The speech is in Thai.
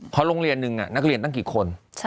เพราะโรงเรียนหนึ่งนักเรียนตั้งกี่คน